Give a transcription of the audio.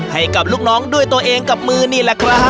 ให้กับลูกน้องด้วยตัวเองกับมือนี่แหละครับ